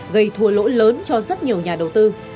gây thua lỗ lớn cho rất nhiều nhà đầu tư